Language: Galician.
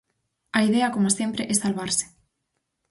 A idea, coma sempre, é salvarse.